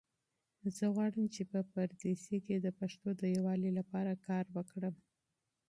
زه غواړم چې په پردیسۍ کې د پښتنو د یووالي لپاره کار وکړم.